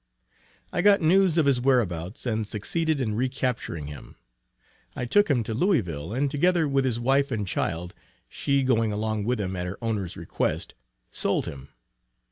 I got news of his whereabouts, and succeeded in recapturing him. I took him to Louisville and together with his wife and child, (she going along with him at her owner's request,) sold him.